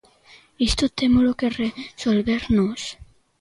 Isto témolo que resolver nós.